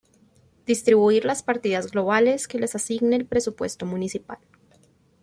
Distribuir las partidas globales que les asigne el presupuesto municipal.